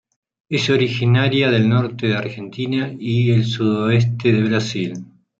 Es originaria del norte de Argentina y el sudoeste de Brasil.